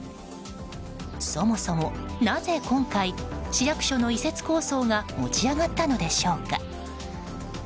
そもそも、なぜ今回市役所の移設構想が持ち上がったのでしょうか。